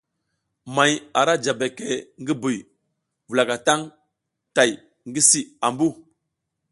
May ara ja beke ngi buy wulaka tang tay ngi si ambu.